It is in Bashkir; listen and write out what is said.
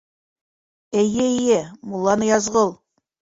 — Эйе, эйе, мулла Ныязғол.